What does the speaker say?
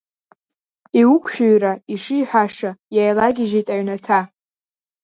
Иуқәшәира ишиҳәаша иааилагьежьит аҩнаҭа.